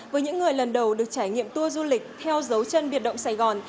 với những người lần đầu được trải nghiệm tour du lịch theo dấu chân biệt động sài gòn